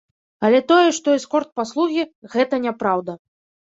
Але тое, што эскорт-паслугі, гэта няпраўда.